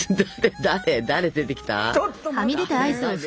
誰が出てきたよ？